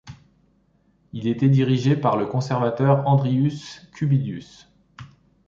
Il était dirigé par le conservateur Andrius Kubilius.